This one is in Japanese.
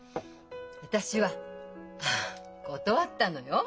私は断ったのよ。